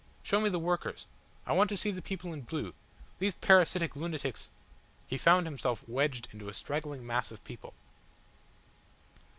Show me the workers. I want to see the people in blue. These parasitic lunatics " He found himself wedged into a straggling mass of people.